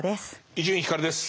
伊集院光です。